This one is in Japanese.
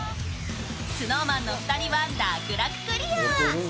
ＳｎｏｗＭａｎの２人は楽々クリア。